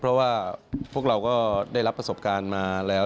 เพราะว่าพวกเราก็ได้รับประสบการณ์มาแล้ว